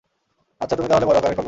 আচ্ছা, তুমি তাহলে বড় আকারের খরগোশ।